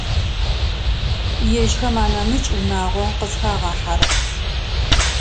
Ежьхэм анэмыкӏ унагъо къызхагъахьэрэп.